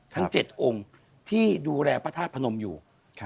ทั้ง๗องค์ที่ดูแลพระธาตุพนมอยู่